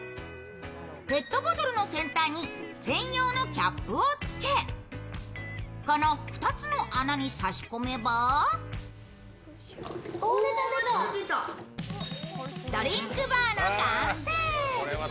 ペットボトルの先端に専用のキャップをつけ、この２つの穴に差し込めばドリンクバーの完成。